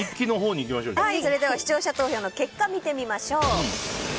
視聴者投票の結果を見てみましょう。